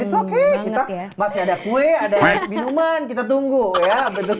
⁇ s ⁇ okay kita masih ada kue ada minuman kita tunggu ya bentuknya